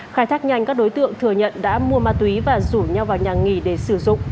khai thác nhanh các đối tượng thừa nhận đã mua ma túy và rủ nhau vào nhà nghỉ để sử dụng